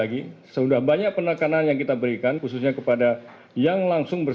apakah sudah ada evaluasi dari tni angkatan udara